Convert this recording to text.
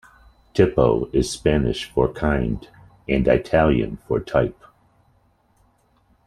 "Tipo" is Spanish for "kind", and Italian for "type".